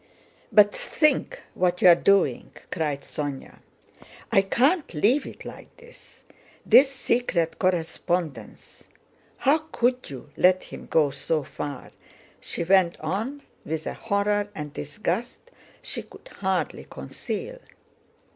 "But think what you are doing," cried Sónya. "I can't leave it like this. This secret correspondence... How could you let him go so far?" she went on, with a horror and disgust she could hardly conceal.